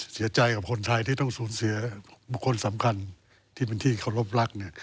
เสียใจกับคนไทยที่ต้องสูญเสียบุคคลสำคัญที่เป็นที่เคารพรัก